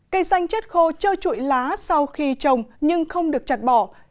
cây xanh chết khô chơ chuỗi lá sau khi trồng nhưng không được chặt bỏ